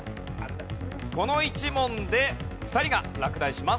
この１問で２人が落第します。